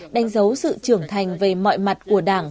đánh dấu sự trưởng thành về mọi mặt của đảng